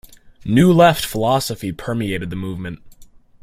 New Left philosophy permeated the movement.